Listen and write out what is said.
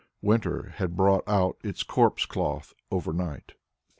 Winter had brought out its corpse cloth overnight.